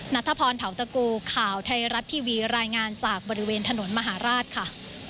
นัทพรเทาตะกูข่าวไทยรัฐทีวีรายงานจากบริเวณถนนมหาราชค่ะ